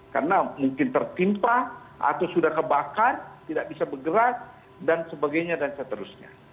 karena mungkin tertimpa atau sudah kebakar tidak bisa bergerak dan sebagainya dan seterusnya